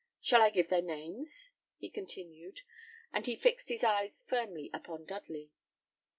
Shall I give their names?" he continued; and he fixed his eyes firmly upon Dudley.